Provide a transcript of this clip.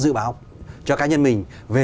dự báo cho cá nhân mình về